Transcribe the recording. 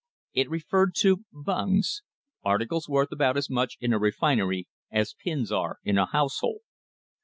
It referred to bungs articles worth about as much in a refinery as pins are in a household.